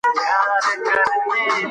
دا پردی دولت ماتې خوري.